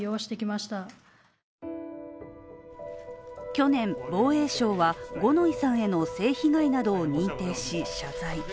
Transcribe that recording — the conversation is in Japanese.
去年、防衛省は五ノ井さんへの性被害などを認定し、謝罪。